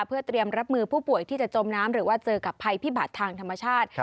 เพื่อเตรียมรับมือผู้ป่วยที่จะจมน้ำหรือว่าเจอกับภัยพิบัติทางธรรมชาติ